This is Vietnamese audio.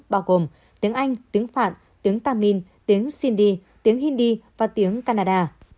bao gồm tiếng anh tiếng phạn tiếng tamil tiếng sindhi tiếng hindi và tiếng canada